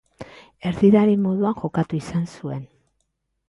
Erdilari moduan jokatu izan zuen.